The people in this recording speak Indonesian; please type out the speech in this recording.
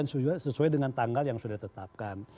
konstitusi dan sesuai dengan tanggal yang sudah tetapkan